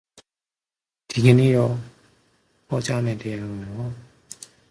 It does this by inhibiting platelet activation.